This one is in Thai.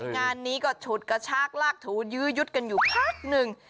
งานนี้ก็ฉุดกระชากลากถูยื้อยุดกันอยู่พักหนึ่ง